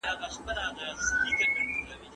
د اخلاقو ښودل د ماشومانو د پلار لومړنی هدف دی.